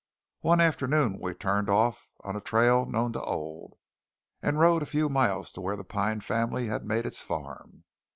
One afternoon we turned off on a trail known to Old, and rode a few miles to where the Pine family had made its farm.